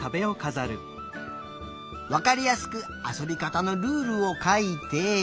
わかりやすくあそびかたのルールをかいて。